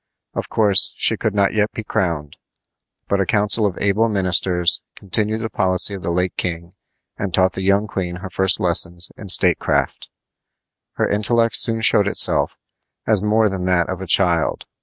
Of course, she could not yet be crowned, but a council of able ministers continued the policy of the late king and taught the young queen her first lessons in statecraft. Her intellect soon showed itself as more than that of a child.